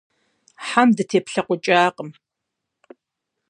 - Хьэм дытеплъэкъукӏакъым.